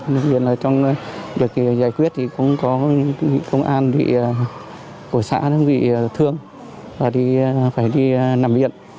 đặc biệt là trong việc giải quyết thì cũng có công an của xã bị thương và đi nằm viện